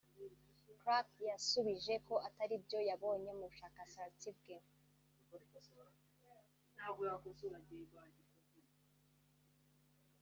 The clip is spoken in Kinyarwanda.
Clark yasubije ko atari byo yabonye mu bushakashatsi bwe